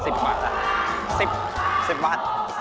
๑๐บาท